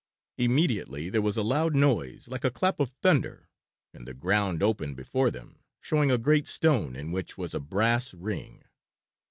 Immediately there was a loud noise like a clap of thunder, and the ground opened before them, showing a great stone in which was a brass ring.